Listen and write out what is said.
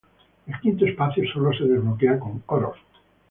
El quinto espacio sólo se desbloquea con Oros.